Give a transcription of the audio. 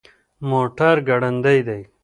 موټر ګړندی دی